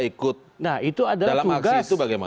ikut dalam aksi itu bagaimana